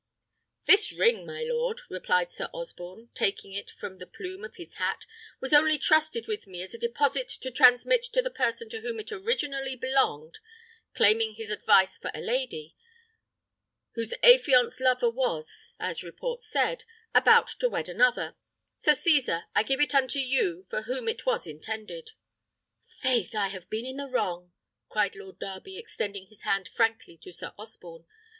"This ring, my lord," replied Sir Osborne, taking it from the plume of his hat, "was only trusted with me as a deposit to transmit to the person to whom it originally belonged, claiming his advice for a lady, whose affianced lover was, as report said, about to wed another; Sir Cesar, I give it unto you for whom it was intended." "Faith, I have been in the wrong!" cried Lord Darby, extending his hand frankly to Sir Osborne.